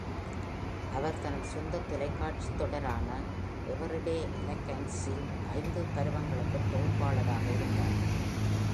அவர் தனது சொந்தத் தொலைக்காட்சி தொடரான "எவெரிடே எலெகன்ஸ்" இல் ஐந்து பருவங்களுக்குத் தொகுப்பாளராக இருந்தார்.